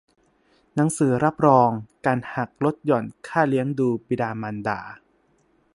หนังสือรับรองการหักลดหย่อนค่าเลี้ยงดูบิดามารดา